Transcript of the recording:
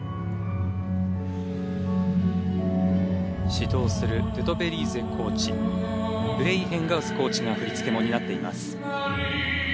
指導するトゥトベリーゼコーチグレイヘンガウスコーチが振り付けも担っています。